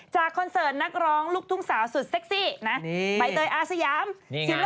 คอนเสิร์ตนักร้องลูกทุ่งสาวสุดเซ็กซี่นะใบเตยอาสยาม